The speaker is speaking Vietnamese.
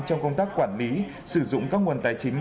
trong công tác quản lý sử dụng các nguồn tài chính